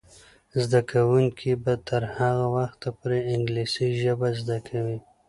زده کوونکې به تر هغه وخته پورې انګلیسي ژبه زده کوي.